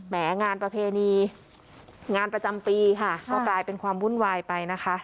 งานประเพณีงานประจำปีค่ะก็กลายเป็นความวุ่นวายไปนะคะ